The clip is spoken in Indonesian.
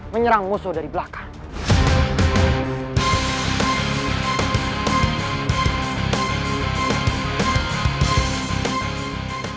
menyerang musuh dari belakang